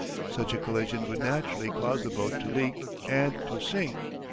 Such a collision would naturally cause the boat to leak and to sink.